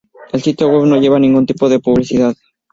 El sitio web no lleva ningún tipo de publicidad.